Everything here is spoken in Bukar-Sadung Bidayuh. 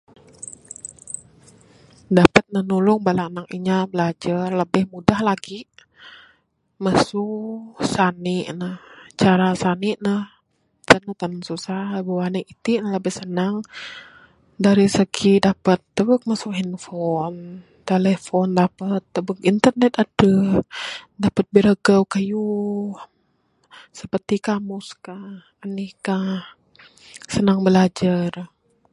Dapat ne nulung bala anak inya bilajar labih mudah lagi masu sani ne. Cara sani ne en la paling susah, wang ne iti ne labih sanang dari segi dapat tubuk masu handphone, telephone dapat, tubuk internet aduh, dapat biragau kayuh seperti kamus kah, anih kah, sanang bilajar.